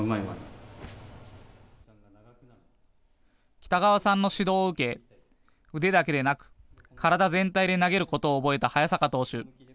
北川さんの指導を受け腕だけでなく体全体で投げることを覚えた早坂投手。